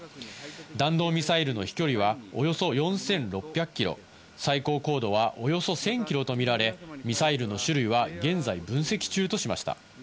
弾道ミサイルの飛距離はおよそ４６００キロ、最高高度はおよそ１０００キロとみられ、ミサイルの種類は現在分析中としました。